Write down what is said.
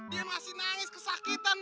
dia masih nangis kesakitan